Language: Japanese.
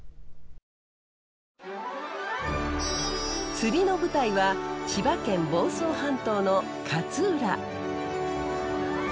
釣りの舞台は千葉県房総半島の勝浦。